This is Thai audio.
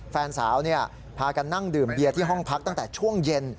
แฟนสาวพากันนั่งดื่มเบียร์ที่ห้องพักตั้งแต่ช่วงเย็น